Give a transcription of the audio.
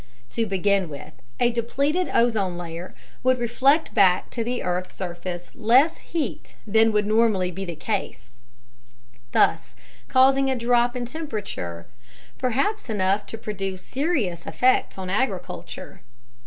To begin with, a depleted ozone layer would reflect back to the earth's surface less heat than would normally be the case, thus causing a drop in temperature perhaps enough to produce serious effects on agriculture.